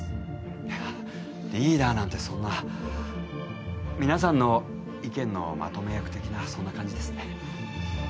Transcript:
いやあリーダーなんてそんな皆さんの意見のまとめ役的なそんな感じですね